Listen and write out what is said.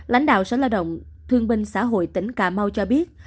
lãnh đạo sở lao động thương binh xã hội tỉnh cà mau cho biết